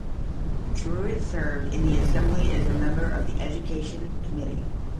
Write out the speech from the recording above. Truitt served in the Assembly as a member of the Education Committee.